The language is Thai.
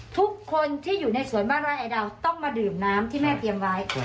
ทุกคนที่อยู่ในสวนบ้านไร่ไอดาวต้องมาดื่มน้ำที่แม่เตรียมไว้